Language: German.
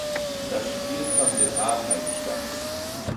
Das Spiel fand in Arnheim statt.